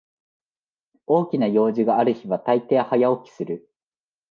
大きな用事がある日はたいてい早起きする